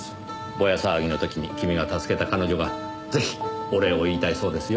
ぼや騒ぎの時に君が助けた彼女がぜひお礼を言いたいそうですよ。